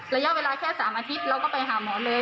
ระยะเวลาแค่๓อาทิตย์เราก็ไปหาหมอเลย